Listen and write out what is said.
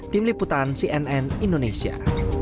tim liputan cnn indonesia